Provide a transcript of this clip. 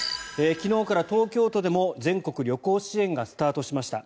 昨日から東京都でも全国旅行支援がスタートしました。